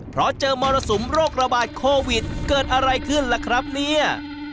เพราะเจอมรสุมโรคระบาดโควิดเกิดอะไรขึ้นล่ะครับเนี่ย